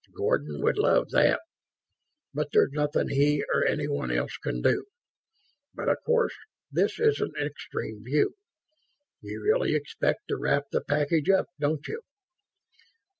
"Gordon would love that ... but there's nothing he or anyone else can do ... but of course this is an extreme view. You really expect to wrap the package up, don't you?"